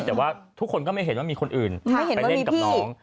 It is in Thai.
แต่ว่าทุกคนก็ไม่เห็นว่ามีคนอื่นไปเล่นกับน้อง